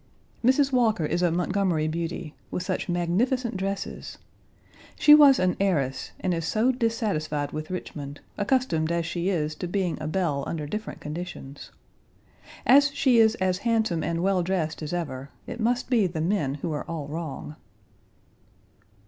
" Mrs. Walker is a Montgomery beauty, with such magnificent dresses. She was an heiress, and is so dissatisfied with Richmond, accustomed as she is to being a belle under different conditions. As she is as handsome and well dressed as ever, it must be the men who are all wrong.